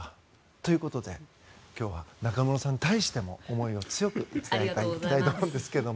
ということで今日は中室さんに対しても思いを強く伝えたいと思うんですけど。